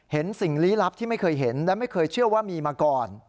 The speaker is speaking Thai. สิ่งลี้ลับที่ไม่เคยเห็นและไม่เคยเชื่อว่ามีมาก่อน